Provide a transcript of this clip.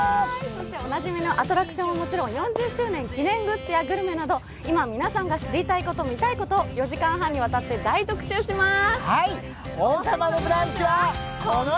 おなじみのアトラクションはもちろん４０周年グッズやグルメなど今皆さんが知りたいこと見たいこと、おはようございまーす！